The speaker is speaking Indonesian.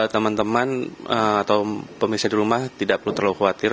teman teman atau pemirsa di rumah tidak perlu terlalu khawatir